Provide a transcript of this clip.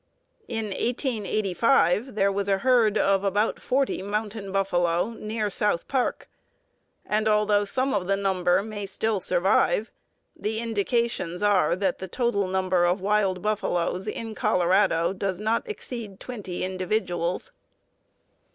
In 1885 there was a herd of about forty "mountain buffalo" near South Park, and although some of the number may still survive, the indications are that the total number of wild buffaloes in Colorado does not exceed twenty individuals.